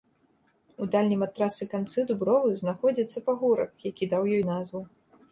У дальнім ад трасы канцы дубровы знаходзіцца пагорак, які даў ёй назву.